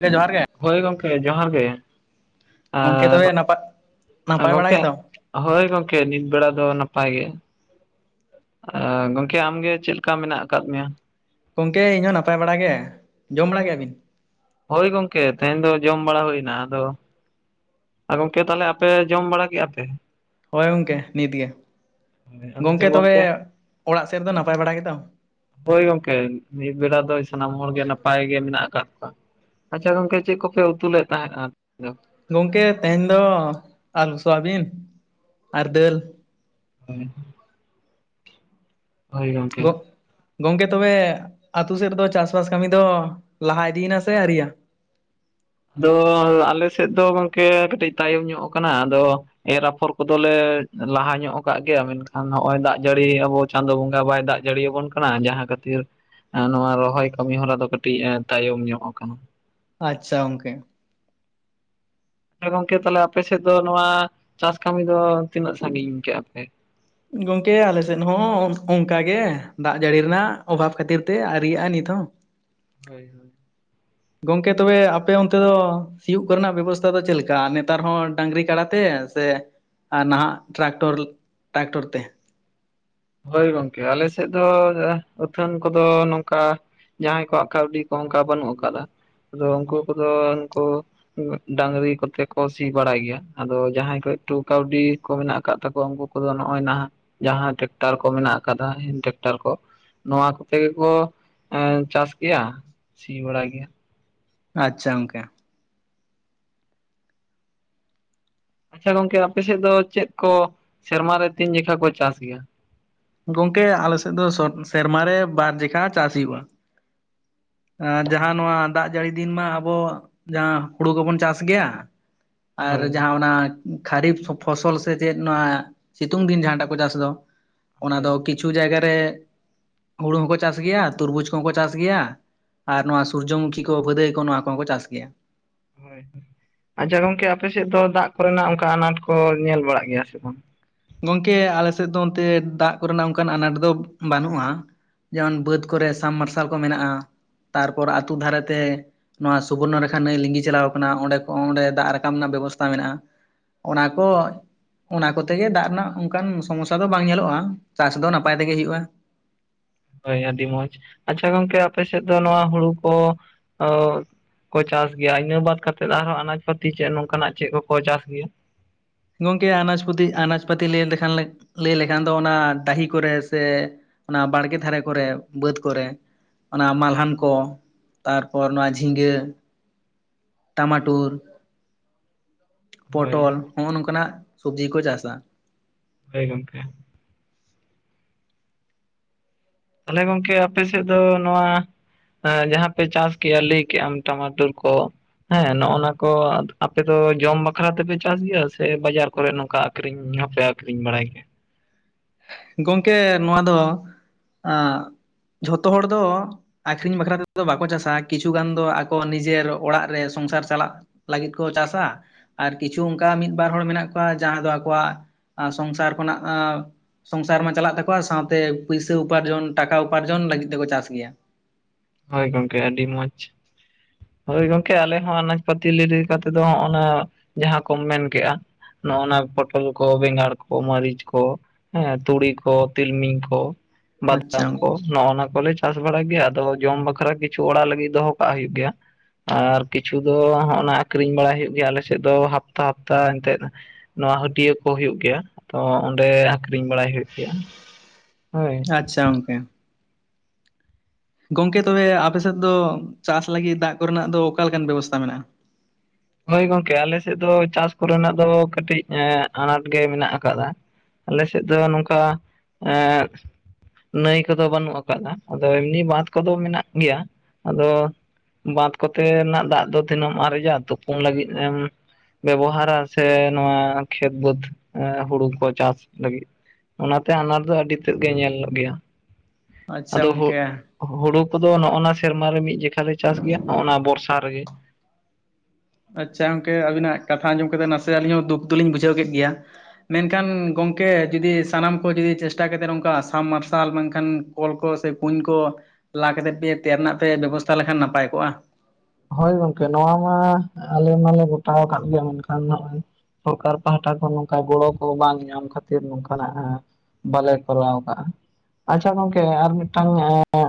ᱠᱮ ᱡᱚᱦᱟᱨ ᱜᱮ᱾ ᱦᱳᱭ ᱜᱚᱝᱠᱮ ᱡᱚᱦᱟᱨ ᱜᱮ ᱜᱚᱝᱠᱮ ᱟᱨ ᱛᱚᱵᱮ ᱜᱚᱡ ᱱᱟᱯᱟᱭ ᱟᱨ ᱱᱟᱯᱟᱭ ᱵᱟᱲᱟ ᱜᱚᱝᱠᱮ᱾ ᱜᱮᱛᱚ ᱦᱟᱭ ᱜᱚᱝᱠᱮ ᱱᱤᱛ ᱵᱮᱲᱟ ᱫᱚ ᱱᱟᱯᱟᱭ ᱜᱮ᱾ ᱟᱨ ᱜᱚᱝᱠᱮ ᱟᱢ ᱜᱮ ᱪᱮᱫ ᱞᱮᱠᱟ ᱢᱮᱱᱟᱜ ᱠᱟᱜ ᱢᱮᱭᱟ? ᱜᱚᱝᱠᱮ ᱤᱧ ᱦᱚᱸ ᱱᱟᱯᱟᱭ ᱵᱟᱲᱟ ᱜᱮ᱾ ᱡᱚᱢ ᱵᱟᱲᱟ ᱠᱮᱭᱟ ᱵᱤᱱ? ᱦᱳᱭ ᱜᱚᱝᱠᱮ ᱛᱮᱦᱮᱧ ᱫᱚ ᱡᱚᱢ ᱵᱟᱲᱟ ᱦᱩᱭ ᱱᱟ ᱟᱫᱚᱼᱼ ᱟᱨ ᱜᱚᱝᱠᱮ ᱛᱟᱦᱚᱞᱮ ᱟᱯᱮ ᱡᱚᱢ ᱵᱟᱲᱟ ᱠᱮᱜ-ᱟ ᱯᱮ? ᱦᱳᱭ ᱜᱚᱝᱠᱮ ᱱᱤᱛ ᱜᱮ ᱟᱫᱚ ᱜᱚᱝᱠᱮ ᱪᱮᱫ ᱛᱚᱵᱮ ᱚᱲᱟᱜ ᱥᱮᱫ ᱨᱮᱫᱚ ᱱᱟᱯᱟᱭ ᱵᱟᱲᱟ ᱜᱮᱛᱚ? ᱦᱳᱭ ᱜᱚᱝᱠᱮ ᱢᱤᱫ ᱵᱮᱲᱟ ᱫᱚ ᱥᱟᱱᱟᱢ ᱦᱚᱲ ᱜᱮ ᱱᱟᱯᱟᱭ ᱜᱮ ᱢᱮᱱᱟᱜ ᱟᱠᱟᱜ ᱠᱚᱣᱟ᱾ ᱟᱪᱪᱷᱟ ᱜᱚᱝᱠᱮ ᱪᱮᱜ ᱠᱚᱯᱮ ᱩᱛᱩ ᱞᱮᱫ ᱛᱟᱦᱮᱸᱜ-ᱟ ᱡᱚ? ᱜᱚᱝᱠᱮ ᱛᱮᱦᱮᱧ ᱫᱚ ᱟᱨ ᱥᱚᱣᱟᱵᱤᱱ ᱟᱨ ᱫᱟᱹᱞ᱾ ᱦᱚᱸᱭ᱾ ᱦᱚᱭ ᱜᱚᱝᱠᱮ᱾ ᱜᱚᱜ ᱜᱚᱝᱠᱮ ᱛᱚᱵᱮ ᱟᱛᱩ ᱥᱮᱫ ᱨᱮᱫᱚ ᱪᱟᱥ ᱵᱟᱥ ᱠᱟᱢᱤ ᱫᱚ ᱞᱟᱦᱟ ᱤᱫᱤ ᱭᱮᱱᱟ ᱥᱮ ᱟᱹᱣᱨᱤ ᱭᱟᱱ? ᱫᱚ ᱟᱞᱮ ᱥᱮᱫ ᱫᱚ ᱜᱚᱝᱠᱮ ᱠᱟᱹᱴᱤᱡ ᱛᱟᱭᱚᱢ ᱧᱚᱜ ᱠᱟᱱᱟ ᱟᱫᱚᱼᱼ ᱮᱨ ᱟᱯᱷᱚᱨ ᱠᱚᱫᱚ ᱞᱮ ᱞᱟᱦᱟ ᱧᱚᱜ ᱠᱟᱜ ᱜᱮᱭᱟ ᱢᱮᱱᱠᱷᱟᱱ ᱱᱚᱜ-ᱚᱭ ᱫᱟᱜ ᱡᱟᱹᱲᱤ ᱟᱵᱚᱼᱼ ᱪᱟᱸᱫᱳ ᱵᱚᱸᱜᱟ ᱵᱟᱭ ᱫᱟᱜ ᱡᱟᱹᱲᱤ ᱭᱟᱵᱚᱱ ᱠᱟᱱᱟ ᱡᱟᱦᱟᱸ ᱠᱷᱟᱹᱛᱤᱨᱼᱼ ᱚᱸ ᱱᱚᱣᱟ ᱨᱚᱦᱚᱭ ᱠᱟᱹᱢᱤ ᱦᱚᱨᱟ ᱫᱚ ᱠᱟᱹᱴᱤᱡ ᱮ ᱛᱟᱭᱚᱢ ᱧᱚᱜ ᱟᱠᱟᱱᱟ᱾ ᱟᱪᱪᱷᱟ ᱜᱚᱝᱠᱮ᱾ ᱟᱨ ᱜᱚᱝᱠᱮ ᱛᱟᱦᱞᱮ‌ ᱟᱯᱮ ᱥᱮᱫ ᱫᱚ ᱱᱚᱣᱟ ᱪᱟᱥ ᱠᱟᱢᱤ ᱫᱚ ᱛᱤᱱᱟᱹᱜ ᱥᱟᱜᱤᱧ ᱠᱮᱜ-ᱟ ᱯᱮ? ᱜᱚᱝᱠᱮ ᱟᱞᱮ ᱥᱮᱫ ᱦᱚᱸ ᱚᱱᱠᱟ ᱜᱮ ᱫᱟᱜ ᱡᱟᱹᱲᱤ ᱨᱮᱱᱟᱜ ᱚᱵᱷᱟᱵᱽ ᱠᱷᱟᱹᱛᱤᱨ ᱛᱮ ᱟᱨᱤᱭᱟᱜ-ᱟ ᱱᱤᱛ ᱦᱚᱸ᱾ ᱦᱳᱭ ᱦᱳᱭ᱾ ᱜᱚᱝᱠᱮ ᱛᱚᱵᱮ ᱟᱯᱮ ᱚᱱᱛᱮ ᱫᱚ ᱥᱤᱭᱩᱜ ᱠᱚᱨᱮ ᱱᱟᱜ ᱵᱮᱵᱚᱥᱛᱷᱟ ᱫᱚ ᱪᱮᱫ ᱞᱮᱠᱟ ᱱᱮᱛᱟᱨ ᱦᱚᱸ ᱰᱟᱝᱨᱤ ᱠᱟᱲᱟ ᱛᱮ ᱛᱮ ᱟᱨ ᱱᱟᱦᱟᱜ ᱴᱨᱟᱠᱚᱨ ᱴᱟᱠᱴᱚᱨ ᱛᱮ ᱦᱳᱭ ᱜᱚᱝᱠᱮ ᱟᱞᱮ ᱥᱮᱫ ᱫᱚ ᱟᱹᱛᱷᱟᱹᱱ ᱠᱚ ᱫᱚ ᱱᱚᱝᱠᱟ ᱡᱟᱦᱟᱸᱭ ᱠᱚᱣᱟᱜ ᱠᱟᱹᱣᱰᱤ ᱠᱚ ᱚᱱᱠᱟ ᱵᱟᱹᱱᱩᱜ ᱠᱟᱫᱟ ᱟᱫᱚ ᱩᱱᱠᱩ ᱠᱚᱫᱚ ᱩᱱᱠᱩᱼᱼ ᱩᱸᱜ ᱰᱟᱝᱜᱽᱨᱤ ᱠᱚᱛᱮ ᱠᱚ ᱥᱤ ᱵᱟᱲᱟᱭ ᱜᱮᱭᱟ ᱟᱫᱚ ᱡᱟᱦᱟᱸᱭ ᱠᱚᱡ ᱴᱩ ᱠᱟᱣᱰᱤ ᱠᱚ ᱢᱮᱱᱟᱜ ᱠᱟᱫ ᱛᱟᱠᱚᱣᱟ ᱩᱱᱠᱩᱼᱼ ᱱᱩᱠᱩ ᱫᱚ ᱱᱚᱜ-ᱚᱭ ᱱᱟᱦᱟᱸᱜ ᱡᱟᱦᱟᱸ ᱴᱮᱠᱴᱟᱨ ᱠᱚ ᱢᱮᱱᱟᱜ ᱠᱟᱫᱟ ᱴᱮᱠᱴᱟᱨ ᱠᱚ᱾ ᱱᱚᱶᱟ ᱠᱚᱛᱮ ᱜᱮᱠᱚ ᱮᱸ ᱪᱟᱥ ᱜᱮᱭᱟ ᱥᱤ ᱵᱟᱲᱟᱭ ᱜᱮᱭᱟ᱾ ᱟᱪᱷᱟ ᱜᱚᱝᱠᱮ᱾ ᱟᱪᱪᱷᱟ ᱜᱚᱝᱠᱮ ᱟᱯᱮ ᱥᱮᱫ ᱫᱚ ᱪᱮᱫ ᱠᱚ ᱥᱮᱨᱢᱟ ᱨᱮ ᱛᱤᱱ ᱡᱮᱠᱷᱟ ᱠᱚ ᱪᱟᱥ ᱜᱮᱭᱟ? ᱜᱚᱝᱠᱮ ᱟᱞᱮ ᱥᱮᱫ ᱫᱚ ᱥᱚᱴ ᱥᱮᱨᱢᱟ ᱨᱮ ᱵᱟᱨ ᱡᱮᱠᱷᱟ ᱪᱟᱥ ᱦᱩᱭᱩᱜ-ᱟ᱾ ᱟᱨ ᱡᱟᱦᱟᱸ ᱱᱚᱣᱟ ᱫᱟᱜ ᱡᱟᱹᱲᱤ ᱫᱤᱱ ᱢᱟ ᱟᱵᱚ ᱡᱟᱦᱟᱸ ᱦᱩᱲᱩ ᱜᱚᱵᱚᱱ ᱪᱟᱥ ᱜᱮᱭᱟ᱾ ᱟᱨ ᱦᱳᱭ ᱡᱟᱦᱟᱸ ᱚᱱᱟ ᱠᱷᱟᱨᱤᱯ ᱥᱚ ᱯᱷᱚᱥᱚᱞ ᱥᱮ ᱪᱮᱫ ᱱᱚᱶᱟ ᱥᱤᱛᱩᱝ ᱫᱤᱱ ᱡᱟᱦᱟᱸ ᱴᱟᱜ ᱠᱚ ᱪᱟᱥ ᱫᱟ᱾ ᱚᱱᱟ ᱦᱳᱭ ᱫᱚ ᱠᱤᱪᱷᱩ ᱡᱟᱭᱜᱟ ᱨᱮ ᱦᱩᱲᱩ ᱦᱚᱸᱠᱚ ᱪᱟᱥ ᱜᱮᱭᱟ ᱛᱩᱨᱵᱩᱪ ᱠᱚᱦᱚᱸ ᱠᱚ ᱪᱟᱥ ᱜᱮᱭᱟ᱾ ᱟᱨ ᱱᱚᱣᱟ ᱥᱩᱨᱡᱚ ᱢᱩᱠᱷᱤ ᱠᱚ ᱵᱷᱟᱹᱫᱟᱹᱭ ᱠᱚ ᱱᱚᱣᱟ ᱠᱚ ᱦᱚᱸ ᱠᱚ ᱪᱟᱥ ᱜᱮᱭᱟ ᱦᱩᱭ, ᱟᱪᱪᱷᱟ ᱜᱚᱝᱠᱮ ᱟᱯᱮ ᱥᱮᱫ ᱫᱚ ᱫᱟᱜ ᱠᱚᱨᱮ ᱠᱚ ᱱᱟᱜ ᱚᱱᱠᱟ ᱟᱱᱟᱴ ᱠᱚ ᱧᱮᱞ ᱵᱟᱲᱟᱜ ᱜᱮᱭᱟ ᱥᱮ ᱵᱟᱝ ᱜᱚᱝᱠᱮ ᱟᱞᱮ ᱥᱮᱫ ᱫᱚ ᱚᱱᱛᱮ ᱫᱟᱜ ᱠᱚᱨᱮᱱᱟᱜ ᱚᱱᱠᱟᱱ ᱟᱱᱟᱴ ᱫᱚ ᱵᱟᱹᱱᱩᱜᱼᱟ ᱡᱮᱢᱚᱱ ᱵᱟᱹᱫᱽ ᱠᱚᱨᱮ ᱥᱟᱢ ᱢᱟᱨᱥᱟᱞ ᱠᱚ ᱢᱮᱱᱟᱜᱼᱟ ᱛᱟᱨ ᱯᱚᱨ ᱟᱹᱛᱩ ᱫᱷᱟᱨᱮ ᱛᱮ ᱱᱚᱣᱟ ᱥᱩᱵᱚᱨᱱᱚ ᱨᱮᱠᱷᱟ ᱱᱟᱹᱭ ᱞᱤᱸᱜᱤ ᱪᱟᱞᱟᱣ ᱟᱠᱟᱱᱟ ᱚᱸᱰᱮ ᱠᱚ ᱚᱸᱰᱮ ᱫᱟᱜ ᱨᱟᱠᱟᱵ ᱨᱮᱱᱟᱜ ᱵᱮᱵᱚᱥᱛᱷᱟ ᱢᱮᱱᱟᱜᱼᱟ ᱚᱱᱟ ᱠᱚ ᱚᱱᱟ ᱠᱚᱛᱮ ᱜᱮ ᱫᱟᱜ ᱱᱟᱜ ᱚᱝᱠᱟᱱ ᱥᱳᱢᱚᱥᱥᱟ ᱫᱚ ᱵᱟᱝ ᱧᱮᱞᱚᱜ-ᱟ ᱪᱟᱥ ᱫᱚ ᱱᱟᱯᱟᱭ ᱛᱮᱜᱮ ᱦᱩᱭᱩᱜ-ᱟ ᱦᱳᱭ ᱟᱹᱰᱤ ᱢᱚᱸᱡᱽ, ᱟᱪᱪᱷᱟ ᱜᱚᱝᱠᱮ ᱟᱯᱮ ᱥᱮᱫ ᱫᱚ ᱱᱚᱣᱟ ᱦᱩᱲᱩ ᱠᱚ [unintelligible] ᱠᱚ ᱪᱟᱥ ᱜᱮᱭᱟ ᱤᱱᱟᱹ ᱵᱟᱫ ᱠᱟᱛᱮᱫ ᱟᱨᱦᱚᱸ ᱟᱱᱟᱡᱽ ᱯᱟᱹᱛᱤ ᱪᱮᱫ ᱱᱚᱝᱠᱟ ᱱᱟᱜ ᱪᱮᱫ ᱠᱚ ᱠᱚ ᱪᱟᱥ ᱜᱮᱭᱟ ᱜᱚᱝᱠᱮ ᱟᱱᱟᱡᱽ ᱯᱚᱹᱛᱤ ᱟᱱᱟᱡᱽ ᱯᱟᱹᱛᱤ ᱞᱟᱹᱭ ᱞᱮᱠᱷᱟᱱ ᱞᱟᱹᱭ ᱞᱮᱠᱷᱟᱱ ᱫᱚ ᱚᱱᱟ ᱰᱟᱹᱦᱤ ᱠᱚᱨᱮ ᱥᱮ ᱚᱱᱟ ᱵᱟᱲᱜᱮ ᱫᱷᱟᱨᱮ ᱠᱚᱨᱮ ᱵᱟᱹᱫᱽ ᱠᱚᱨᱮ ᱚᱱᱟ ᱢᱟᱞᱦᱟᱱ ᱠᱚ ᱛᱟᱨᱯᱚᱨ ᱱᱚᱣᱟ ᱡᱷᱤᱸᱜᱟᱹ ᱴᱟᱢᱟᱴᱩᱨ, ᱯᱚᱴᱚᱞ ᱦᱳᱭ ᱦᱚᱸᱜᱼᱚ ᱱᱚᱝᱠᱟ ᱱᱟᱜ ᱥᱚᱵᱡᱤ ᱠᱚ ᱪᱟᱥᱟ ᱦᱳᱭ ᱜᱚᱝᱠᱮ ᱛᱟᱞᱦᱮ ᱜᱚᱝᱠᱮ ᱟᱯᱮ ᱥᱮᱫ ᱫᱚ ᱱᱚᱣᱟ ᱦᱮᱸ ᱡᱟᱦᱟᱸ ᱯᱮ ᱪᱟᱥ ᱠᱮᱭᱟ ᱞᱟᱹᱭ ᱠᱮᱜ-ᱟᱢ ᱴᱟᱢᱟᱴᱳᱨ ᱠᱚ ᱦᱮᱸ ᱱᱚᱜᱼᱚᱱᱟ ᱠᱚ ᱟᱯᱮ ᱫᱚ ᱡᱚᱢ ᱵᱟᱠᱷᱨᱟ ᱛᱮ ᱯᱮ ᱪᱟᱥ ᱜᱮᱭᱟ ᱥᱮ ᱵᱟᱡᱟᱨ ᱠᱚᱨᱮ ᱱᱚᱝᱠᱟ ᱟᱹᱠᱷᱨᱤᱧ ᱦᱚᱸ ᱯᱮ ᱟᱹᱠᱷᱨᱤᱧ ᱵᱟᱲᱟᱭ ᱜᱮᱭᱟ ᱜᱚᱝᱠᱮ ᱱᱚᱣᱟ ᱫᱚ ᱟᱸᱜ ᱡᱷᱚᱛᱚ ᱦᱚᱲ ᱫᱚ ᱟᱠᱷᱨᱤᱧ ᱵᱟᱠᱷᱨᱟ ᱛᱮᱫᱚ ᱵᱟᱠᱚ ᱪᱟᱥᱟ ᱠᱤᱪᱷᱩ ᱜᱟᱱ ᱫᱚ ᱟᱠᱚ ᱱᱤᱡᱮᱨ ᱚᱲᱟᱜ ᱨᱮ ᱥᱚᱝᱥᱟᱨ ᱪᱟᱞᱟᱜ ᱞᱟᱹᱜᱤᱫ ᱠᱚ ᱪᱟᱥᱟ ᱟᱨ ᱠᱤᱪᱷᱩ ᱚᱝᱠᱟ ᱢᱤᱫ ᱵᱟᱨ ᱦᱚᱲ ᱢᱮᱱᱟᱜ ᱠᱚᱣᱟ ᱡᱟᱦᱟᱸ ᱫᱚ ᱟᱠᱚᱣᱟᱜ ᱥᱚᱝᱥᱟᱨ ᱠᱷᱚᱱᱟᱜ ᱟᱸ ᱥᱚᱝᱥᱟᱨ ᱢᱟ ᱪᱟᱞᱟᱜ ᱛᱟᱠᱚᱣᱟ ᱥᱟᱶᱛᱮ ᱯᱩᱭᱥᱟᱹ ᱩᱯᱟᱨᱡᱚᱱ ᱴᱟᱠᱟ ᱩᱯᱟᱨᱡᱚᱱ ᱞᱟᱹᱜᱤᱫ ᱛᱮ ᱠᱚ ᱪᱟᱥ ᱜᱮᱭᱟ ᱦᱳᱭ ᱜᱚᱝᱠᱮ ᱟᱹᱰᱤ ᱢᱚᱡᱽ ᱦᱳᱭ ᱜᱚᱝᱠᱮ ᱟᱞᱮ ᱦᱚᱸ ᱟᱱᱟᱡᱽ ᱯᱟᱹᱛᱤ ᱞᱤᱨ ᱞᱮᱠᱟ ᱛᱮ ᱫᱚ ᱚᱱᱟ ᱡᱟᱦᱟᱸ ᱠᱚᱢ ᱢᱮᱱ ᱠᱮᱜᱼᱟ ᱱᱚ-ᱚᱱᱟ ᱯᱚᱴᱚᱞ ᱠᱚ, ᱵᱮᱸᱜᱟᱲ ᱠᱚ, ᱢᱟᱹᱨᱤᱪ ᱠᱚ ᱦᱮᱸ ᱛᱩᱲᱤ ᱠᱚ ᱛᱤᱞᱢᱤᱧ ᱠᱚ ᱵᱟᱫᱟᱢ ᱟᱪᱪᱷᱟ ᱠᱚ ᱱᱚᱜᱼᱚᱱᱟ ᱠᱚ ᱞᱮ ᱪᱟᱥ ᱵᱟᱲᱟᱭ ᱜᱮᱭᱟ ᱟᱫᱚ ᱡᱚᱢ ᱵᱟᱠᱷᱨᱟ ᱠᱤᱪᱷᱩ ᱚᱲᱟᱜ ᱞᱟᱹᱜᱤᱫ ᱫᱚᱦᱚ ᱠᱟᱜ ᱦᱩᱭᱩᱜ ᱜᱮᱭᱟ ᱟᱨ ᱠᱤᱪᱷᱩ ᱫᱚ ᱦᱚᱸᱜ-ᱚᱱᱟ ᱟᱠᱷᱨᱤᱧ ᱵᱟᱲᱟᱭ ᱦᱩᱭᱩᱜ ᱜᱮᱭᱟ ᱟᱞᱮ ᱥᱮᱫ ᱫᱚ ᱦᱟᱯᱛᱟ ᱦᱟᱯᱛᱟ ᱮᱱᱛᱮᱫ ᱱᱚᱣᱟ ᱦᱟᱹᱴᱭᱟᱹ ᱠᱚ ᱦᱩᱭᱩᱜ ᱜᱮᱭᱟ ᱛᱚ ᱚᱸᱰᱮ ᱟᱠᱷᱨᱤᱧ ᱵᱟᱲᱟᱭ ᱦᱩᱭᱩᱜ ᱜᱮᱭᱟ, ᱦᱳᱭ ᱟᱪᱪᱷᱟ ᱜᱚᱝᱠᱮ ᱜᱚᱝᱠᱮ ᱛᱚᱵᱮ ᱟᱯᱮ ᱥᱮᱫ ᱫᱚ ᱪᱟᱥ ᱞᱟᱹᱜᱤᱫ ᱫᱟᱜ ᱠᱚᱨᱮᱱᱟᱜ ᱫᱚ ᱚᱠᱟ ᱞᱮᱠᱟᱱ ᱵᱮᱵᱚᱥᱛᱟ ᱢᱮᱱᱟᱜᱼᱟ ᱦᱳᱭ ᱜᱚᱝᱠᱮ ᱟᱞᱮ ᱥᱮᱫ ᱫᱚ ᱪᱟᱥ ᱠᱚᱨᱮᱱᱟᱜ ᱫᱚ ᱠᱟᱹᱴᱤᱡ ᱟᱱᱟᱴ ᱜᱮ ᱢᱮᱱᱟᱜ ᱟᱠᱟᱫᱟ ᱟᱞᱮ ᱥᱮᱫ ᱫᱚ ᱱᱚᱝᱠᱟ ᱮᱸᱫ ᱱᱟᱹᱭ ᱠᱚ ᱫᱚ ᱵᱟᱹᱱᱩᱜ ᱟᱠᱟᱫ-ᱟ ᱟᱫᱚ ᱮᱢᱱᱤ ᱵᱟᱸᱫᱷᱽ ᱠᱚ ᱫᱚ ᱢᱮᱱᱟᱜ ᱜᱮᱭᱟ ᱟᱫᱚ ᱵᱟᱸᱫᱷᱽ ᱠᱚᱛᱮ ᱱᱟᱜ ᱫᱟᱜ ᱫᱚ ᱛᱤᱱᱟᱹᱜ ᱮᱢ ᱟᱨᱮᱡᱟ ᱛᱩᱯᱩᱱ ᱞᱟᱹᱜᱤᱫ ᱮᱢ ᱵᱮᱵᱚᱦᱟᱨᱟ ᱥᱮ ᱱᱚᱣᱟ ᱠᱷᱮᱛ ᱵᱟᱹᱫᱽ ᱦᱩᱲᱩ ᱠᱚ ᱪᱟᱥ ᱞᱟᱹᱜᱤᱫ ᱚᱱᱟᱛᱮ ᱟᱱᱟᱴ ᱫᱚ ᱟᱹᱰᱤ ᱛᱮᱫ ᱜᱮ ᱧᱮᱞ ᱞᱚᱜ ᱜᱮᱭᱟ ᱟᱪᱪᱷᱟ ᱟᱫᱚ ᱦᱳᱜ ᱜᱚᱝᱠᱮ ᱦᱩᱲᱩ ᱠᱚᱫᱚ ᱱᱚᱜᱱᱟ ᱥᱮᱨᱢᱟ ᱨᱮ ᱢᱤᱫ ᱡᱮᱠᱷᱟ ᱞᱮ ᱪᱟᱥ ᱜᱮᱭᱟ ᱱᱚᱜᱱᱟ ᱵᱚᱨᱥᱟ ᱨᱮᱜᱮ ᱾ ᱟᱪᱪᱷᱟ ᱜᱚᱝᱠᱮ ᱟᱵᱤᱱᱟᱜ ᱠᱟᱛᱷᱟ ᱟᱸᱡᱚᱢ ᱠᱟᱛᱮᱫ ᱱᱟᱥᱮ ᱟᱹᱞᱤᱧ ᱦᱚᱸ ᱫᱩᱠ ᱫᱚᱞᱤᱧ ᱵᱩᱡᱷᱟᱹᱣ ᱠᱮᱫ ᱜᱮᱭᱟ ᱢᱮᱱᱠᱷᱟᱱ ᱜᱚᱝᱠᱮ ᱡᱩᱫᱤ ᱥᱟᱱᱟᱢ ᱠᱚ ᱡᱩᱫᱤ ᱪᱮᱥᱴᱟ ᱠᱟᱛᱮᱫ ᱱᱚᱝᱠᱟ ᱥᱟᱢ ᱢᱟᱨᱥᱟᱞ ᱵᱟᱝ ᱠᱷᱟᱱ ᱠᱚᱞ ᱠᱚ ᱥᱮ ᱠᱩᱧ ᱠᱚ ᱞᱟ ᱠᱟᱛᱮᱫ ᱯᱮ ᱛᱮᱭᱟᱨ ᱨᱮᱱᱟᱜ ᱯᱮ ᱵᱮᱵᱚᱥᱛᱷᱟ ᱞᱮᱠᱷᱟᱱ ᱱᱟᱯᱟᱭ ᱠᱚᱜᱼᱟ ᱦᱳᱭ ᱜᱚᱝᱠᱮ ᱱᱚᱣᱟ ᱢᱟ ᱟᱞᱮ ᱢᱟᱞᱮ ᱜᱚᱴᱟᱣ ᱠᱟᱫ ᱜᱮᱭᱟ ᱢᱮᱱ ᱠᱷᱟᱱ ᱱᱚᱜ-ᱚᱭ ᱥᱚᱨᱠᱟᱨ ᱯᱟᱦᱴᱟ ᱠᱷᱚᱱ ᱱᱚᱝᱠᱟ ᱜᱚᱲᱚ ᱠᱚ ᱵᱟᱝ ᱧᱟᱢ ᱠᱷᱟᱹᱛᱤᱨ ᱱᱚᱝᱠᱟ ᱱᱟᱜ ᱦᱮᱸ ᱵᱟᱞᱮ ᱠᱚᱨᱟᱣ ᱠᱟᱜᱼᱟ ᱟᱪᱪᱷᱟ ᱜᱚᱝᱠᱮ ᱟᱨ ᱢᱤᱫᱴᱟᱝ ᱱᱟᱜ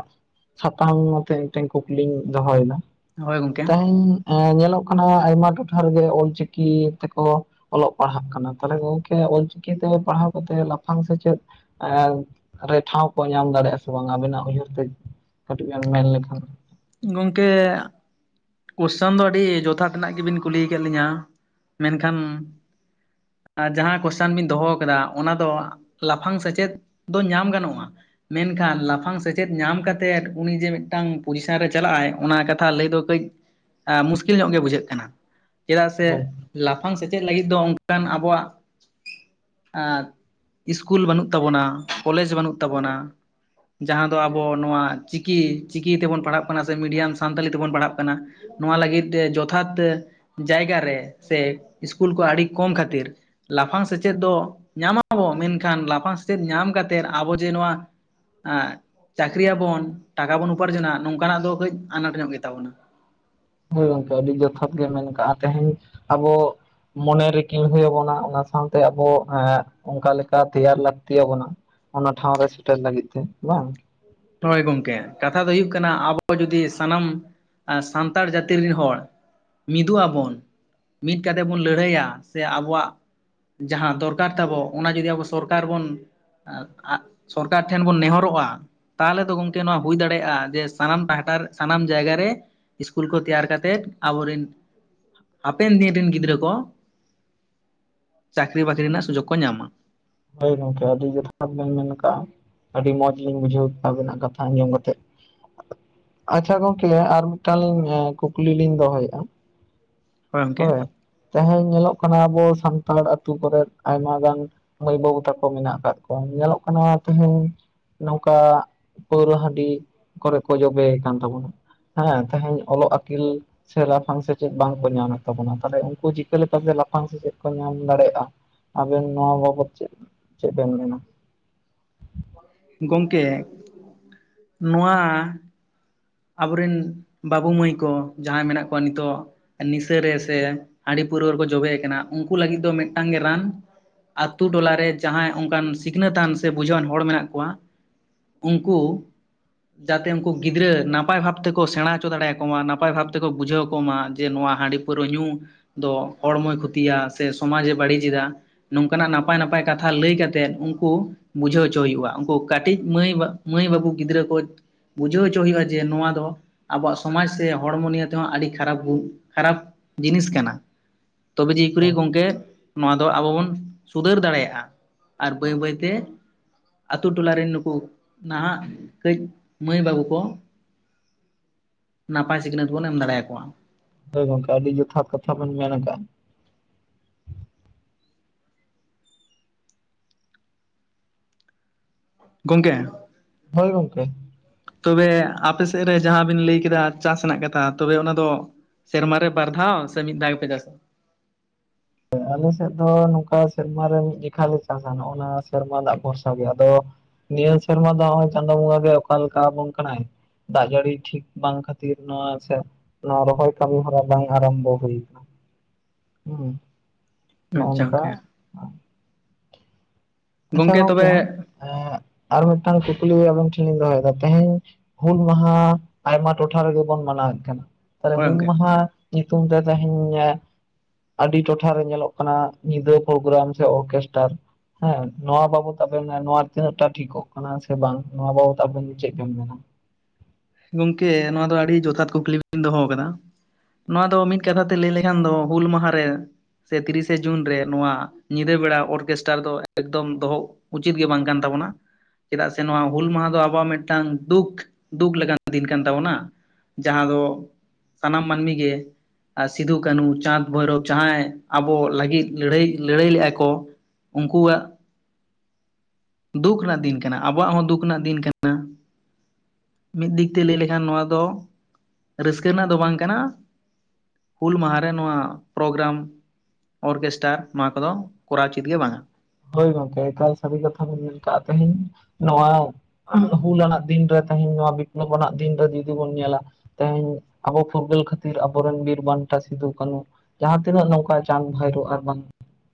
ᱥᱟᱛᱟᱢ ᱱᱚᱛᱮ ᱢᱤᱫᱴᱮᱱ ᱠᱩᱠᱞᱤᱧ ᱫᱚᱦᱚᱭ ᱮᱫᱟ ᱦᱳᱭ ᱜᱚᱝᱠᱮ᱾ ᱛᱮᱦᱮᱧ ᱮᱸ ᱧᱮᱞᱚᱜ ᱠᱟᱱᱟ ᱟᱭᱢᱟ ᱴᱚᱴᱷᱟ ᱨᱮ ᱜᱮ ᱚᱞᱪᱤᱠᱤ ᱛᱮ ᱠᱚ ᱚᱞᱚᱜ ᱯᱟᱲᱦᱟᱜ ᱠᱟᱱᱟ ᱛᱟᱦᱚᱞᱮ ᱜᱚᱝᱠᱮ ᱚᱞᱪᱤᱠᱤᱛᱮ ᱯᱟᱲᱦᱟᱣ ᱠᱟᱛᱮᱫ ᱞᱟᱯᱷᱟᱝ ᱥᱮᱪᱮᱫ ᱮ ᱨᱮ ᱴᱷᱟᱶ ᱠᱚ ᱧᱟᱢ ᱫᱟᱲᱮᱭᱟᱜᱼᱟ ᱥᱮ ᱵᱟᱝ ᱟᱵᱤᱱᱟᱜ ᱩᱭᱦᱟᱹᱨ ᱛᱮ ᱠᱟᱹᱴᱤᱡ ᱵᱤᱱ ᱢᱮᱱ ᱞᱮᱠᱷᱟᱱ ᱾ ᱜᱚᱝᱠᱮ ᱠᱚᱥᱪᱮᱱ ᱫᱚ ᱟᱹᱰᱤ ᱡᱚᱛᱷᱟᱛ ᱨᱮᱱᱟᱜ ᱜᱮᱵᱤᱱ ᱠᱩᱞᱤ ᱠᱮᱫ ᱞᱤᱧᱟᱹ ᱢᱮᱱᱠᱷᱟᱱ ᱟᱨ ᱡᱟᱦᱟᱸ ᱠᱚᱥᱪᱟᱱ ᱵᱤᱱ ᱫᱚᱦᱚ ᱟᱠᱟᱫᱟ ᱚᱱᱟ ᱫᱚ ᱞᱟᱯᱷᱟᱝ ᱥᱮᱪᱮᱫ ᱫᱚ ᱧᱟᱢ ᱜᱟᱱᱚᱜᱼᱟ ᱾ ᱢᱮᱱᱠᱷᱟᱱ ᱞᱟᱯᱷᱟᱝ ᱥᱮᱪᱮᱫ ᱧᱟᱢ ᱠᱟᱛᱮᱫ ᱩᱱᱤ ᱡᱮ ᱢᱤᱫᱴᱟᱝ ᱯᱚᱡᱤᱥᱮᱱ ᱨᱮ ᱪᱟᱞᱟᱜ ᱟᱭ ᱚᱱᱟ ᱠᱟᱛᱷᱟ ᱞᱟᱹᱭ ᱫᱚ ᱠᱟᱹᱡ ᱢᱩᱥᱠᱤᱞ ᱧᱚᱜ ᱜᱮ ᱵᱩᱡᱷᱟᱹᱜ ᱠᱟᱱᱟ ᱪᱮᱫᱟᱜ ᱥᱮ ᱦᱳᱭ ᱞᱟᱯᱷᱟᱝ ᱥᱮᱪᱮᱫ ᱞᱟᱹᱜᱤᱫ ᱫᱚ ᱚᱱᱠᱟᱱ ᱟᱵᱚᱣᱟᱜ ᱮ ᱤᱥᱠᱩᱞ ᱵᱟᱹᱱᱩᱜ ᱛᱟᱵᱚᱱᱟ ᱠᱚᱞᱮᱡᱽ ᱵᱟᱹᱱᱩᱜ ᱛᱟᱵᱚᱱᱟ ᱾ ᱡᱟᱦᱟᱸ ᱫᱚ ᱟᱵᱚ ᱱᱚᱣᱟ ᱪᱤᱠᱤ ᱪᱤᱠᱤ ᱛᱮᱵᱚᱱ ᱯᱟᱲᱦᱟᱜ ᱠᱟᱱᱟ ᱥᱮ ᱢᱤᱰᱤᱭᱟᱢ ᱥᱟᱱᱛᱟᱞᱤ ᱛᱮᱵᱚᱱ ᱯᱟᱲᱦᱟᱜ ᱠᱟᱱᱟ ᱾ ᱱᱚᱣᱟ ᱞᱟᱹᱜᱤᱫ ᱛᱮ ᱡᱚᱛᱷᱟᱛ ᱡᱟᱭᱜᱟᱨᱮ ᱥᱮ ᱤᱥᱠᱩᱞ ᱠᱚ ᱟᱹᱰᱤ ᱠᱚᱢ ᱠᱷᱟᱹᱛᱤᱨ ᱾ ᱞᱟᱯᱷᱟᱝ ᱥᱮᱪᱮᱫ ᱫᱚ ᱧᱟᱢᱟᱵᱚ ᱢᱮᱱᱠᱷᱟᱱ ᱞᱟᱯᱷᱟᱝ ᱥᱮᱪᱮᱫ ᱧᱟᱢ ᱠᱟᱛᱮᱫ ᱟᱵᱚ ᱡᱮ ᱱᱚᱣᱟ ᱪᱟᱹᱠᱨᱤᱭᱟᱵᱚᱱ ᱴᱟᱠᱟ ᱵᱚᱱ ᱩᱯᱟᱨᱡᱚᱱᱟ ᱱᱚᱝᱠᱟᱱᱟᱜ ᱫᱚ ᱠᱟᱹᱡ ᱟᱱᱟᱴ ᱧᱚᱜ ᱜᱮ ᱛᱟᱵᱚᱱᱟ ᱾ ᱦᱮᱸ ᱜᱚᱝᱠᱮ ᱟᱹᱰᱤ ᱡᱚᱛᱷᱟᱛ ᱜᱮ ᱢᱮᱱ ᱠᱟᱜᱼᱟ ᱛᱮᱦᱮᱧ ᱟᱵᱚ ᱢᱚᱱᱮ ᱨᱮᱤᱠᱤᱲ ᱦᱩᱭ ᱟᱵᱚᱱᱟ ᱚᱱᱟ ᱥᱟᱶᱛᱮ ᱟᱵᱚ ᱚᱱᱠᱟ ᱞᱮᱠᱟ ᱛᱮᱭᱟᱨ ᱞᱟᱹᱠᱛᱤ ᱟᱵᱚᱱᱟ ᱾ ᱚᱱᱟ ᱴᱷᱟᱶ ᱨᱮ ᱥᱮᱴᱮᱨ ᱞᱟᱹᱜᱤᱫ ᱛᱮ ᱵᱟᱝ ᱾ ᱦᱚᱭ ᱜᱚᱢᱠᱮ ᱠᱟᱛᱷᱟ ᱫᱚ ᱦᱩᱭᱩᱜ ᱠᱟᱱᱟ ᱟᱵᱚ ᱡᱩᱫᱤ ᱥᱟᱱᱟᱢ ᱟᱨ ᱥᱟᱱᱛᱟᱲ ᱡᱟᱹᱛᱤ ᱨᱤᱱ ᱦᱚᱲ ᱢᱤᱫᱩᱜ ᱟᱵᱚᱱ ᱾ ᱢᱤᱫ ᱠᱟᱛᱮ ᱵᱚᱱ ᱞᱟᱹᱲᱦᱟᱹᱭᱭᱟ ᱥᱮ ᱟᱵᱚᱣᱟᱜ ᱡᱟᱦᱟᱸ ᱫᱚᱨᱠᱟᱨ ᱛᱟᱵᱚ ᱚᱱᱟ ᱡᱩᱚᱫᱤ ᱟᱵᱚ ᱥᱚᱨᱠᱟᱨ ᱵᱚᱱ ᱥᱚᱨᱠᱟᱨ ᱴᱷᱮᱱ ᱵᱚᱱ ᱱᱮᱦᱚᱨᱚᱜᱼᱟ ᱾ ᱛᱟᱦᱚᱞᱮ ᱫᱚ ᱜᱚᱢᱠᱮ ᱱᱚᱣᱟ ᱦᱩᱭ ᱫᱟᱲᱮᱭᱟᱜᱼᱟ ᱡᱮ ᱥᱟᱱᱟᱢ ᱯᱟᱦᱟᱴᱟ ᱥᱟᱱᱟᱢ ᱡᱟᱭᱜᱟ ᱨᱮ ᱾ ᱤᱥᱠᱩᱞ ᱠᱚ ᱛᱮᱭᱟᱨ ᱠᱟᱛᱮᱫ ᱟᱵᱚᱨ ᱨᱤᱱ ᱦᱟᱯᱮᱱ ᱫᱤᱱ ᱨᱤᱱ ᱜᱤᱫᱽᱨᱟᱹ ᱠᱚ ᱪᱟᱹᱠᱨᱤ ᱵᱟᱹᱠᱨᱤ ᱨᱮᱱᱟᱜ ᱥᱩᱡᱚᱜᱽ ᱠᱚ ᱧᱟᱢᱟ ᱾ ᱦᱩᱭ ᱜᱚᱢᱠᱮ ᱟᱹᱰᱤ ᱡᱚᱛᱷᱟᱛ ᱵᱤᱱ ᱢᱮᱱᱠᱟᱜᱼᱟ ᱾ ᱟᱹᱰᱤ ᱢᱚᱸᱡ ᱞᱤᱧ ᱵᱩᱡᱷᱟᱹᱣ ᱠᱮᱫᱟ ᱟᱹᱵᱤᱱᱟᱜ ᱠᱟᱛᱷᱟ ᱟᱸᱡᱚᱢ ᱠᱟᱛᱮᱫ ᱾ ᱟᱪᱪᱷᱟ ᱜᱚᱝᱠᱮ ᱟᱨ ᱢᱤᱫᱴᱟᱝ ᱞᱤᱧ ᱠᱩᱠᱞᱤ ᱞᱤᱧ ᱫᱚᱦᱚᱭᱮᱫᱼᱟ ᱾ ᱦᱳᱭ ᱛᱮᱦᱮᱧ ᱧᱮᱞᱚᱜ ᱠᱟᱱᱟ ᱟᱵᱚ ᱥᱟᱱᱛᱟᱲ ᱟᱛᱩ ᱠᱚᱨᱮ ᱟᱭᱢᱟ ᱜᱟᱱ ᱢᱟᱹᱭ ᱵᱟᱹᱵᱩ ᱛᱟᱠᱚ ᱢᱮᱱᱟᱜ ᱠᱟᱫ ᱠᱚᱣᱟ ᱧᱮᱞᱚᱜ ᱠᱟᱱᱟ ᱛᱟᱸᱦᱩ ᱱᱚᱝᱠᱟ ᱯᱟᱹᱣᱨᱟᱹ ᱦᱟᱺᱰᱤ ᱠᱚᱨᱮ ᱠᱚ ᱡᱚᱵᱮ ᱠᱟᱱ ᱛᱟᱵᱚᱱᱟ ᱾ ᱦᱮᱸ ᱛᱮᱦᱮᱧ ᱚᱞᱚᱜ ᱟᱹᱠᱤᱞ ᱥᱮ ᱞᱟᱯᱷᱟᱝ ᱥᱮᱪᱮᱫ ᱵᱟᱝᱠᱚ ᱧᱟᱢᱮᱫ ᱛᱟᱵᱚᱱᱟ ᱛᱟᱦᱚᱞᱮ ᱩᱱᱠᱩ ᱪᱤᱠᱟᱹ ᱞᱮᱠᱟᱛᱮ ᱞᱟᱯᱷᱟᱝ ᱥᱮᱪᱮᱫ ᱠᱚ ᱧᱟᱢ ᱫᱟᱲᱮᱭᱟᱜᱼᱟ ᱾ ᱟᱵᱮᱱ ᱱᱚᱣᱟ ᱵᱟᱵᱚᱫ ᱪᱮᱫ ᱪᱮᱫ ᱵᱮᱱ ᱢᱮᱱᱟ ᱾ ᱜᱚᱢᱠᱮ ᱱᱚᱣᱟ ᱟᱵᱚᱨᱤᱱ ᱵᱟᱹᱵᱩ ᱢᱟᱹᱭ ᱠᱚ ᱡᱟᱦᱟᱸᱭ ᱢᱮᱱᱟᱜ ᱠᱚᱣᱟ ᱱᱤᱛᱚᱜ ᱾ ᱱᱤᱥᱟᱹᱨᱮ ᱥᱮ ᱦᱟᱺᱰᱤ ᱯᱟᱹᱣᱟᱨᱟᱹ ᱨᱮᱠᱚ ᱡᱚᱵᱮ ᱠᱟᱱᱟ ᱩᱱᱠᱩ ᱞᱟᱹᱜᱤᱫ ᱫᱚ ᱢᱤᱫᱴᱟᱝ ᱜᱮ ᱨᱟᱱ ᱾ ᱟᱛᱩ ᱴᱚᱞᱟᱨᱮ ᱡᱟᱦᱟᱸᱭ ᱚᱱᱠᱟᱱ ᱥᱤᱠᱷᱱᱟᱹ ᱛᱟᱱ ᱥᱮ ᱵᱩᱡᱷᱟᱹᱣᱟᱱ ᱦᱚᱲ ᱢᱮᱱᱟᱜ ᱠᱚᱣᱟ ᱾ ᱩᱱᱠᱩ ᱡᱟᱛᱮ ᱩᱱᱠᱩ ᱜᱤᱫᱽᱨᱟᱹ ᱱᱟᱯᱟᱭ ᱱᱟᱯᱟᱭ ᱵᱷᱟᱵᱽ ᱛᱮᱠᱚ ᱥᱮᱬᱟ ᱦᱚᱪᱚ ᱫᱟᱲᱮᱭᱟᱠᱚ ᱢᱟ ᱱᱟᱯᱟᱭ ᱵᱷᱟᱵᱽ ᱛᱮᱠᱚ ᱵᱩᱡᱷᱟᱹᱣ ᱠᱚᱢᱟ ᱡᱮ ᱱᱚᱣᱟ ᱦᱟᱺᱰᱤ ᱯᱟᱹᱣᱨᱟᱹ ᱧᱩ ᱫᱚ ᱦᱚᱲᱢᱚᱭ ᱠᱷᱚᱛᱤᱭᱟ ᱥᱮ ᱥᱚᱢᱟᱡᱽ ᱮ ᱵᱟᱹᱲᱤᱡ ᱮᱫᱟ ᱾ ᱱᱚᱝᱠᱟ ᱱᱟᱜ ᱱᱟᱯᱟᱭ ᱱᱟᱯᱟᱭ ᱠᱟᱛᱷᱟ ᱞᱟᱹᱭ ᱠᱟᱛᱮᱫ ᱩᱱᱠᱩ ᱵᱩᱡᱷᱟᱹᱣ ᱦᱚᱪ ᱦᱩᱭᱩᱜᱼᱟ ᱩᱱᱠᱩ ᱠᱟᱹᱴᱤᱡ ᱢᱟᱹᱭ ᱢᱟᱹᱭ ᱵᱟᱹᱵᱩ ᱜᱤᱫᱽᱨᱟᱹ ᱠᱚ ᱵᱩᱡᱷᱟᱹᱣ ᱦᱚᱪ ᱦᱩᱭᱩᱜᱼᱟ ᱾ ᱡᱮ ᱱᱚᱣᱟ ᱫᱚ ᱟᱵᱚᱣᱟᱜ ᱥᱚᱢᱟᱡ ᱥᱮ ᱦᱚᱲᱢᱚ ᱱᱤᱭᱮ ᱛᱮᱦᱚᱸ ᱟᱹᱰᱤ ᱠᱷᱟᱨᱟᱯ ᱠᱷᱟᱨᱟᱯ ᱡᱤᱱᱤᱥ ᱠᱟᱱᱟ ᱛᱚᱵᱮ ᱡᱮᱭᱠᱤ ᱦᱳᱭ ᱜᱚᱢᱠᱮ ᱱᱚᱣᱟ ᱫᱚ ᱟᱵᱚ ᱵᱚᱱ ᱥᱩᱫᱷᱟᱹᱨ ᱫᱟᱲᱮᱭᱟᱜᱼᱟ ᱟᱨ ᱵᱟᱹᱭ ᱵᱟᱹᱭ ᱛᱮ ᱟᱛᱩ ᱴᱚᱞᱟ ᱨᱤᱱ ᱱᱩᱠᱩ ᱱᱟᱦᱟᱜ ᱠᱟᱹᱡ ᱢᱟᱹᱭ ᱵᱟᱹᱵᱩ ᱠᱚ ᱾ ᱱᱟᱯᱟᱭ ᱥᱤᱠᱷᱱᱟᱹᱛ ᱵᱚᱱ ᱮᱢ ᱫᱟᱲᱮ ᱟᱠᱚᱣᱟ ᱾ ᱦᱚᱭ ᱜᱚᱢᱠᱮ ᱟᱹᱰᱤ ᱡᱚᱛᱷᱟᱛ ᱠᱟᱛᱷᱟ ᱵᱤᱱ ᱢᱮᱱ ᱟᱠᱟᱫᱼᱟ ᱾ ᱜᱚᱝᱠᱮ ᱦᱳᱭ ᱜᱚᱝᱠᱮ ᱾ ᱛᱚᱵᱮ ᱟᱯᱮ ᱥᱮᱫ ᱨᱮ ᱡᱟᱦᱟᱸ ᱵᱤᱱ ᱞᱟᱹᱭ ᱠᱮᱫᱟ ᱪᱟᱥ ᱨᱮᱱᱟᱜ ᱠᱟᱛᱷᱟ ᱛᱚᱵᱮ ᱚᱱᱟ ᱫᱚ? ᱥᱮᱨᱢᱟ ᱨᱮ ᱵᱟᱨ ᱫᱷᱟᱣ ᱥᱮ ᱢᱤᱫ ᱫᱷᱟᱣ ᱜᱮᱯᱮ ᱪᱟᱥᱟ? ᱟᱞᱮ ᱥᱮᱫ ᱫᱚ ᱱᱚᱝᱠᱟ ᱥᱮᱨᱢᱟ ᱨᱮ ᱢᱤᱫ ᱡᱚᱠᱷᱟ ᱞᱮ ᱪᱟᱥᱟ ᱱᱚᱜᱼ ᱱᱟ ᱥᱮᱨᱢᱟ ᱫᱟᱜ ᱵᱷᱚᱨᱥᱟ ᱜᱮ ᱟᱫᱚ ᱱᱤᱭᱟᱹ ᱥᱮᱨᱢᱟ ᱫᱚ ᱱᱚᱜᱼᱚᱭ ᱪᱟᱸᱫᱳ ᱵᱚᱸᱜᱟ ᱜᱮ ᱚᱠᱟ ᱞᱮᱠᱟ ᱟᱵᱚᱱ ᱠᱟᱱᱟᱭ᱾ ᱫᱟᱜ ᱡᱟᱹᱲᱤ ᱴᱷᱤᱠ ᱵᱟᱝ ᱠᱷᱟᱹᱛᱤᱨ ᱱᱚᱣᱟ ᱟᱥᱮ ᱱᱚᱣᱟ ᱨᱚᱦᱚᱭ ᱠᱟᱹᱢᱤ ᱦᱚᱨᱟ ᱵᱟᱝ ᱟᱨᱟᱢᱵᱷᱚ ᱦᱩᱭ ᱟᱠᱟᱱᱟ᱾ ᱦᱮᱸ ᱱᱚᱜ ᱟᱪᱪᱷᱟ ᱱᱚᱝᱠᱟ ᱜᱚᱝᱠᱮ ᱟᱪᱷᱟ ᱜᱚᱝᱠᱮ ᱮᱻ ᱟᱨ ᱢᱤᱫᱴᱟᱝ ᱠᱩᱠᱞᱤ ᱟᱵᱮᱱ ᱴᱷᱮᱱ ᱞᱤᱧ ᱫᱚᱦᱚᱭᱮᱫᱟ ᱛᱮᱦᱮᱧ ᱦᱩᱞ ᱢᱟᱦᱟ ᱟᱭᱢᱟ ᱴᱚᱴᱷᱟ ᱨᱮᱜᱮ ᱵᱚᱱ ᱢᱟᱱᱟᱣᱮᱫ ᱠᱟᱱᱟ ᱛᱟᱦᱚᱞᱮ ᱦᱳᱭ ᱦᱩᱞ ᱜᱚᱝᱠᱮ ᱢᱟᱦᱟ ᱧᱩᱛᱩᱢ ᱛᱮ ᱛᱮᱦᱮᱧ ᱟᱹᱰᱤ ᱴᱚᱴᱷᱟᱨ ᱨᱮ ᱧᱮᱞᱚᱜ ᱠᱟᱱᱟ ᱧᱤᱫᱟᱹ ᱯᱨᱳᱜᱨᱟᱢ ᱥᱮ ᱚᱨᱠᱮᱥᱴᱟᱨ ᱾ ᱦᱮᱸ ᱱᱚᱣᱟ ᱵᱟᱵᱚᱛ ᱟᱵᱮᱱ ᱱᱚᱣᱟ ᱛᱤᱱᱟᱹᱜ ᱴᱟ ᱴᱷᱤᱠᱚᱜ ᱠᱟᱱᱟ ᱥᱮ ᱵᱟᱝ ᱱᱚᱣᱟ ᱵᱟᱵᱚᱛ ᱟᱵᱮᱱ ᱪᱮᱫ ᱵᱮᱱ ᱢᱮᱱᱟ? ᱜᱚᱝᱠᱮ ᱱᱚᱣᱟ ᱫᱚ ᱟᱹᱰᱤ ᱡᱚᱛᱷᱟᱛ ᱠᱩᱠᱞᱤ ᱵᱤᱱ ᱫᱚᱦᱚ ᱟᱠᱟᱫᱟ ᱾ ᱱᱚᱣᱟ ᱫᱚ ᱢᱤᱫ ᱠᱟᱛᱷᱟ ᱛᱮ ᱞᱟᱹᱭ ᱞᱮᱠᱷᱟᱱ ᱫᱚ ᱦᱩᱞ ᱢᱟᱦᱟᱨᱮ ᱥᱮ ᱛᱤᱨᱤᱥᱮ ᱡᱩᱱ ᱨᱮ ᱱᱚᱣᱟ ᱧᱤᱫᱟᱹ ᱵᱮᱲᱟ ᱚᱨᱠᱮᱥᱴᱟᱨ ᱫᱚ ᱮᱠᱫᱚᱢ ᱫᱚᱦᱚᱜ ᱩᱪᱤᱛ ᱜᱮ ᱵᱟᱝ ᱠᱟᱱ ᱛᱟᱵᱚᱱᱟ ᱪᱮᱫᱟᱜ ᱥᱮ ᱱᱚᱣᱟ ᱦᱩᱞ ᱢᱟᱦᱟ ᱫᱚ ᱟᱵᱚᱣᱟᱜ ᱢᱤᱫᱴᱟᱝ ᱫᱩᱠ ᱫᱩᱠ ᱞᱮᱠᱟᱱ ᱫᱤᱱ ᱠᱟᱱ ᱛᱟᱵᱚᱱᱟ ᱾ ᱡᱟᱦᱟᱸ ᱫᱚ ᱥᱟᱱᱟᱢ ᱢᱟᱹᱱᱢᱤ ᱜᱮ ᱟᱨ ᱥᱤᱫᱩ ᱠᱟᱹᱱᱩ ᱪᱟᱸᱫᱽ ᱵᱷᱳᱭᱨᱳᱚᱵᱽ ᱡᱟᱦᱟᱸᱭ ᱟᱵᱚ ᱞᱟᱹᱜᱤᱫ ᱞᱟᱹᱲᱦᱟᱹᱭ ᱞᱟᱹᱲᱦᱟᱹᱭ ᱞᱮᱫᱟ ᱠᱚ ᱩᱱᱠᱩᱣᱟᱜ ᱫᱩᱠᱷ ᱨᱮᱱᱟᱜ ᱫᱤᱱ ᱠᱟᱱᱟ ᱟᱵᱚᱣᱟᱜ ᱦᱚᱸ ᱫᱩᱠ ᱨᱮᱱᱟᱜ ᱫᱤᱱ ᱠᱟᱱᱟ ᱾ ᱢᱤᱫ ᱫᱤᱠ ᱛᱮ ᱞᱟᱹᱭ ᱞᱮᱠᱷᱟᱱ ᱱᱚᱣᱟ ᱫᱚ ᱨᱟᱹᱥᱠᱟᱹ ᱨᱮᱱᱟᱜ ᱫᱚ ᱵᱟᱝ ᱠᱟᱱᱟ ᱾ ᱦᱩᱞ ᱢᱟᱦᱟᱨᱮ ᱱᱚᱣᱟ ᱯᱨᱳᱜᱨᱟᱢ ᱚᱨᱠᱮᱥᱴᱟᱨ ᱱᱚᱣᱟ ᱠᱚᱫᱚ ᱠᱚᱨᱟᱣ ᱩᱪᱤᱛ ᱜᱮ ᱵᱟᱝᱟ᱾ ᱦᱳᱭ ᱜᱚᱝᱠᱮ ᱮᱠᱟᱟᱨ ᱥᱟᱹᱨᱤ ᱠᱟᱛᱷᱟ ᱵᱮᱱ ᱞᱮᱭ ᱠᱟᱜ ᱛᱮᱦᱮᱧ ᱱᱚᱶᱟ ᱦᱩᱞ ᱟᱱᱟᱜ ᱫᱤᱱᱨᱮ ᱛᱮᱦᱮᱧ ᱱᱚᱣᱟ ᱵᱤᱯᱞᱚᱵ ᱟᱱᱟᱜ ᱫᱤᱱᱨᱮ ᱡᱩᱫᱤ ᱵᱚᱱ ᱧᱮᱞᱟ᱾ ᱛᱮᱦᱮᱧ ᱟᱵᱚ ᱯᱷᱩᱨᱜᱟᱹᱞ ᱠᱷᱟᱹᱛᱤᱨ ᱟᱵᱚ ᱨᱮᱱ ᱵᱤᱨ ᱵᱟᱱᱴᱟ ᱥᱤᱫᱩ ᱠᱟᱹᱱᱩ ᱡᱟᱦᱟᱸ ᱛᱤᱱᱟᱹᱜ ᱱᱚᱝᱠᱟ ᱪᱟᱸᱜᱽ ᱵᱷᱟᱭᱨᱳ ᱟᱨ ᱵᱟᱝ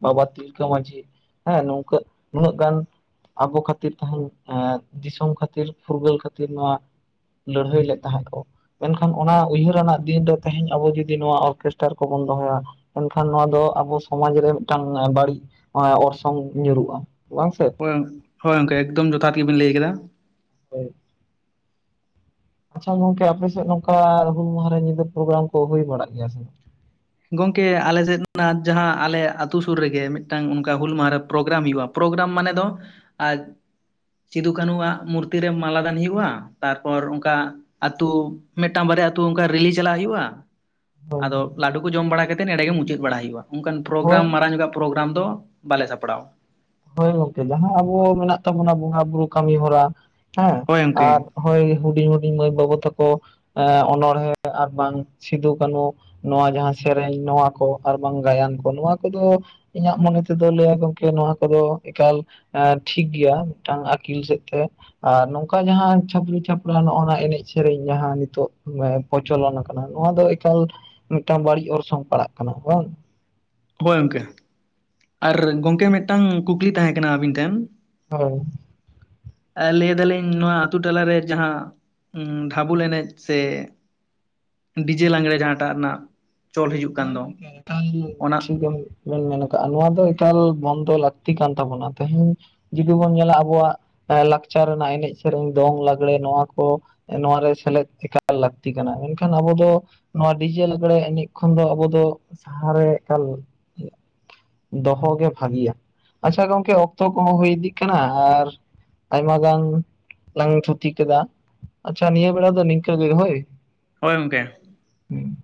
ᱵᱟᱵᱟ ᱛᱤᱞᱠᱟᱹ ᱢᱟᱡᱷᱤ ᱦᱮᱸ ᱱᱚᱝᱠᱟᱹ ᱱᱩᱱᱟᱹᱜ ᱜᱟᱱ ᱟᱵᱚ ᱠᱷᱟᱹᱛᱤᱨ ᱛᱮᱦᱮᱧ ᱮᱻ ᱫᱤᱥᱚᱢ ᱠᱷᱟᱹᱛᱤᱨ ᱯᱷᱩᱨᱜᱟᱹᱞ ᱠᱷᱟᱹᱛᱤᱨ ᱱᱚᱶᱟ ᱞᱟᱹᱲᱦᱟᱹᱭ ᱞᱮᱫ ᱛᱟᱦᱮᱸ ᱠᱚ ᱾ ᱢᱮᱱ ᱠᱷᱟᱱ ᱚᱱᱟ ᱩᱭᱦᱟᱹᱨ ᱟᱱᱟᱜ ᱫᱤᱱ ᱨᱮ ᱛᱮᱦᱮᱧ ᱟᱵᱚ ᱡᱩᱫᱤ ᱱᱚᱣᱟ ᱚᱨᱠᱮᱥᱴᱟᱨ ᱠᱚᱵᱚᱱ ᱫᱚᱦᱚᱭᱟ ᱮᱱᱠᱷᱟᱱ ᱱᱚᱣᱟ ᱫᱚ ᱟᱵᱚ ᱥᱚᱢᱟᱡ ᱨᱮ ᱢᱤᱫᱴᱟᱝ ᱵᱟᱹᱲᱤᱡ ᱚᱲᱥᱚᱝ ᱥᱚᱝ ᱧᱩᱨᱩᱜᱼᱟ ᱵᱟᱝ ᱥᱮ ᱦᱳᱭ ᱦᱳᱭ ᱜᱚᱝᱠᱮ ᱮᱠᱫᱚᱢ ᱡᱚᱛᱷᱟᱛ ᱜᱮ ᱵᱤᱱ ᱞᱟᱹᱭ ᱠᱮᱫᱟ ᱾ ᱦᱳᱭ ᱾ ᱟᱪᱷᱟ ᱜᱚᱝᱠᱮ ᱟᱯᱮ ᱥᱮᱫ ᱱᱚᱝᱠᱟ ᱦᱩᱞ ᱢᱟᱦᱟᱨᱮ ᱧᱤᱫᱟᱹ ᱯᱨᱳᱜᱨᱟᱢ ᱠᱚ ᱦᱩᱭ ᱵᱟᱲᱟᱜ ᱜᱮᱭᱟ ᱥᱮ? ᱜᱚᱝᱠᱮ ᱟᱞᱮ ᱥᱮᱫ ᱡᱟᱦᱟᱸ ᱟᱞᱮ ᱟᱛᱳ ᱥᱩᱨ ᱨᱮᱜᱮ ᱢᱤᱫᱴᱟᱝ ᱚᱱᱠᱟ ᱦᱩᱞ ᱢᱟᱦᱟᱨᱮ ᱯᱨᱳᱜᱨᱟᱢ ᱦᱩᱭᱩᱜᱼᱟ ᱾ ᱯᱨᱳᱜᱨᱟᱢ ᱢᱟᱱᱮ ᱫᱚ ᱟᱨ ᱥᱤᱫᱩ ᱠᱟᱹᱱᱩᱣᱟᱜ ᱢᱩᱨᱛᱤ ᱨᱮ ᱢᱟᱞᱟ ᱫᱟᱱ ᱦᱩᱭᱩᱜᱼᱟ ᱛᱟᱨᱯᱚᱨ ᱚᱱᱠᱟ ᱟᱛᱳ ᱢᱤᱫᱴᱟᱝ ᱵᱟᱨᱭᱟ ᱟᱹᱛᱩ ᱚᱱᱠᱟ ᱨᱤᱞᱤ ᱪᱟᱞᱟᱜ ᱦᱩᱭᱩᱜᱼᱟ᱾ ᱵᱟᱝ ᱟᱫᱚ ᱦᱳᱭ ᱞᱟᱹᱰᱩ ᱠᱚ ᱡᱚᱢ ᱵᱟᱲᱟ ᱠᱟᱛᱮᱫ ᱱᱚᱸᱰᱮ ᱜᱮ ᱢᱩᱪᱟᱹᱫ ᱵᱟᱲᱟᱭ ᱦᱩᱭᱩᱜᱼᱟ ᱚᱱᱠᱟᱱ ᱦᱳᱭ ᱯᱨᱳᱜᱨᱟᱢ ᱢᱟᱨᱟᱝ ᱧᱚᱜᱼᱟᱜ ᱯᱨᱳᱜᱨᱟᱢ ᱫᱚ ᱵᱟᱞᱮ ᱥᱟᱯᱲᱟᱣᱟ ᱦᱳᱭ ᱜᱚᱝᱠᱮ ᱡᱟᱦᱟᱸ ᱟᱵᱚ ᱢᱮᱱᱟᱜ ᱛᱟᱵᱚᱱᱟ ᱵᱚᱸᱜᱟ ᱵᱩᱨᱩ ᱠᱟᱹᱢᱤ ᱦᱚᱨᱟ ᱦᱮᱸ ᱦᱳᱭ ᱜᱚᱝᱠᱮ ᱟᱨ ᱦᱳᱭ ᱦᱩᱰᱤᱧ ᱦᱩᱰᱤᱧ ᱢᱟᱹᱭ ᱵᱟᱹᱵᱩ ᱛᱟᱠᱚ ᱮ ᱚᱱᱚᱬᱦᱮ ᱟᱨ ᱵᱟᱝ ᱥᱤᱫᱩ ᱠᱟᱹᱱᱩ ᱱᱚᱣᱟ ᱡᱟᱦᱟᱸ ᱥᱮᱨᱮᱧ ᱱᱚᱣᱟ ᱠᱚ ᱟᱨ ᱵᱟᱝ ᱜᱟᱭᱟᱱ ᱠᱚ ᱱᱚᱣᱟ ᱠᱚᱫᱚ ᱤᱧᱟᱹᱜ ᱢᱚᱱᱮ ᱛᱮᱫᱚ ᱞᱟᱹᱭᱟ ᱜᱚᱝᱠᱮ ᱱᱚᱶᱟ ᱠᱚᱫᱚ ᱮᱠᱟᱞ ᱮᱻ ᱴᱷᱤᱠ ᱜᱮᱭᱟ ᱢᱤᱫᱴᱟᱝ ᱟᱹᱠᱤᱞ ᱥᱮᱫ ᱛᱮ᱾ ᱟᱨ ᱱᱚᱝᱠᱟ ᱡᱟᱦᱟᱸ ᱪᱷᱟᱹᱯᱨᱤ ᱪᱷᱟᱯᱨᱟᱹ ᱱᱚᱜᱼᱱᱟ ᱱᱚᱣᱟ ᱮᱱᱮᱡ ᱥᱮᱨᱮᱧ ᱡᱟᱦᱟᱸ ᱱᱤᱛᱚᱜ ᱯᱨᱪᱚᱞᱚᱱ ᱟᱠᱟᱱᱟ᱾ ᱱᱚᱣᱟ ᱫᱚ ᱮᱠᱟᱞ ᱢᱤᱫᱴᱟᱝ ᱵᱟᱹᱲᱤᱡ ᱚᱨᱥᱚᱝ ᱯᱟᱲᱟᱜ ᱠᱟᱱᱟ ᱵᱟᱝ᱾ ᱦᱳᱭ ᱜᱚᱝᱠᱮ ᱟᱨ ᱜᱚᱝᱠᱮ ᱢᱤᱫᱴᱟᱝ ᱠᱩᱠᱞᱤ ᱛᱟᱦᱮᱸ ᱠᱟᱱᱟ ᱟᱵᱤᱱ ᱴᱷᱮᱱ? ᱦᱮᱸ ᱞᱟᱹᱭ ᱮᱫᱟᱞᱤᱧ ᱱᱚᱣᱟ ᱟᱛᱳ ᱴᱟᱞᱟᱨᱮ ᱡᱟᱦᱟᱸ ᱰᱷᱟᱵᱩᱞ ᱮᱱᱮᱡ ᱥᱮ ᱰᱤᱡᱮ ᱞᱟᱜᱽᱲᱮ ᱡᱟᱦᱟ ᱴᱟᱜ ᱨᱮᱱᱟᱜ ᱪᱚᱞ ᱦᱤᱡᱩᱜ ᱠᱟᱱ ᱦᱳ ᱫᱚ ᱜᱚᱢᱠᱮ ᱚᱱᱟ ᱴᱷᱤᱠ ᱜᱮ ᱢᱮᱱ ᱢᱮᱱ ᱠᱟᱜᱼᱟ ᱱᱚᱣᱟ ᱫᱚ ᱮᱠᱟᱞ ᱵᱚᱱᱫᱚ ᱞᱟᱹᱠᱛᱤ ᱠᱟᱱ ᱛᱟᱵᱚᱱᱟ ᱛᱮᱦᱮᱧ ᱡᱩᱫᱤ ᱵᱚᱱ ᱧᱮᱞᱟ ᱟᱵᱚᱣᱟᱜ ᱞᱟᱠᱪᱟᱨ ᱨᱮᱱᱟᱜ ᱮᱱᱮᱡ ᱥᱮᱨᱮᱧ ᱫᱚᱝ ᱞᱟᱜᱽᱲᱮ ᱱᱚᱣᱟ ᱠᱚ᱾ ᱱᱚᱣᱟᱨᱮ ᱥᱮᱞᱮᱫ ᱮᱠᱟᱞ ᱞᱟᱹᱠᱛᱤ ᱠᱟᱱᱟ ᱢᱮᱱᱠᱷᱟᱱ ᱟᱵᱚ ᱫᱚ ᱱᱚᱣᱟ ᱰᱤᱡᱮ ᱞᱟᱜᱽᱬᱮ ᱮᱱᱮᱡ ᱛᱚᱠᱷᱚᱱ ᱫᱚ ᱟᱵᱚ ᱫᱚ ᱥᱟᱦᱟᱨ ᱨᱮ ᱮᱠᱟᱞ ᱫᱚᱦᱚ ᱜᱮ ᱵᱷᱟᱹᱜᱤᱭᱟ ᱟᱪᱪᱷᱟ ᱜᱚᱝᱠᱮ ᱚᱠᱛᱚ ᱠᱚᱦᱚᱸ ᱦᱩᱭ ᱤᱫᱤᱜ ᱠᱟᱱᱟ ᱟᱨ ᱟᱭᱢᱟ ᱜᱟᱱ ᱞᱟᱝ ᱛᱷᱩᱛᱤ ᱠᱮᱫᱟ᱾ ᱟᱪᱪᱷᱟ ᱱᱤᱭᱟᱹ ᱵᱮᱲᱟ ᱫᱚ ᱱᱤᱝᱠᱟ ᱦᱳᱭ᱾ ᱦᱚᱳᱭ ᱜᱚᱝᱠᱮ ᱦᱮᱸ